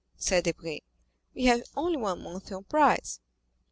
said Debray; "we have only one Monthyon prize."